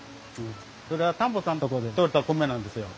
それは田んぼさんのとこで取れた米なんですよ。